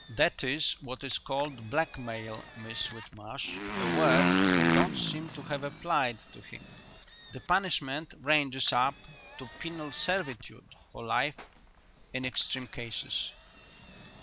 "That is what is called blackmail, Miss Whitmarsh; a word you don't seem to have applied to him. The punishment ranges up to penal servitude for life in extreme cases."